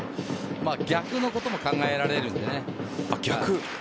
逆のことも考えられるので。